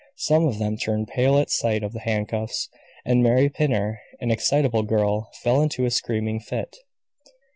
Some of them turned pale at sight of the handcuffs, and Mary Pinner, an excitable girl, fell into a screaming fit.